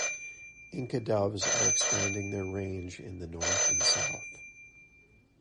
Inca doves are expanding their range in the north and south.